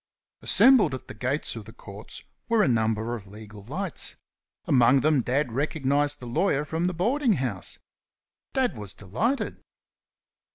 Assembled at the gates of the courts were a number of legal lights. Among them Dad recognised the lawyer from the boarding house. Dad was delighted.